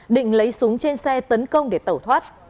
định lấy súng trên xe tấn công để tẩu thoát